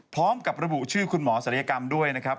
พร้อมกับระบุชื่อคุณหมอศัลยกรรมด้วยนะครับ